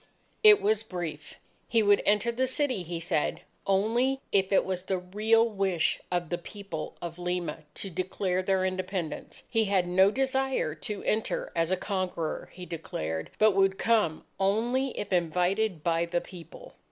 It was brief. He would enter the city, he said, only if it was the real wish of the People of Lima to declare their Independence. He had no desire to enter as a conqueror, he declared, but would come only if invited by the People.